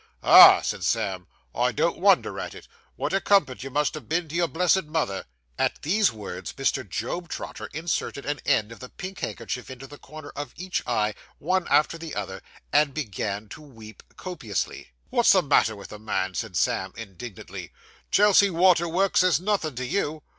'Ah,' said Sam, 'I don't wonder at it. What a comfort you must ha' been to your blessed mother.' At these words, Mr. Job Trotter inserted an end of the pink handkerchief into the corner of each eye, one after the other, and began to weep copiously. 'Wot's the matter with the man,' said Sam, indignantly. 'Chelsea water works is nothin' to you.